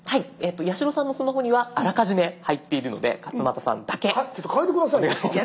八代さんのスマホにはあらかじめ入っているので勝俣さんだけお願いします。